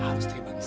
lo harus terima gisa